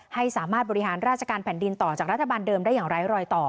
ให้สามารถบริหารราชการแผ่นดินต่อจากรัฐบาลเดิมได้อย่างไร้รอยต่อ